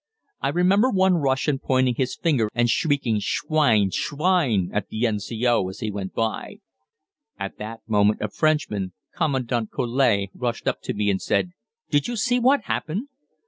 I remember one Russian pointing his finger and shrieking "Schwein!" "Schwein!" at the N.C.O. as he went by. At that moment a Frenchman, Commandant Collet, rushed up to me and said, "Did you see what happened?"